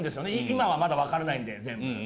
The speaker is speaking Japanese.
今はまだ分からないんで全部。